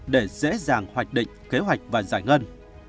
để dễ dàng hoạch định kế hoạch và giải ngân